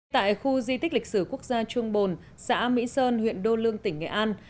tại khu di tích lịch sử quốc gia trung bồn xã mỹ sơn huyện đô lương tỉnh nghệ an